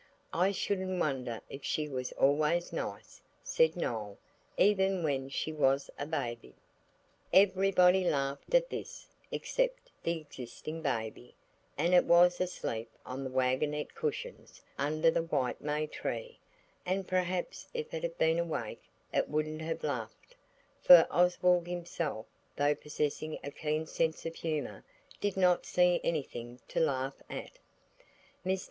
"I shouldn't wonder if she was always nice," said Noël "even when she was a baby!" Everybody laughed at this, except the existing baby, and it was asleep on the waggonette cushions, under the white may tree, and perhaps if it had been awake it wouldn't have laughed, for Oswald himself, though possessing a keen sense of humour, did not see anything to laugh at. Mr.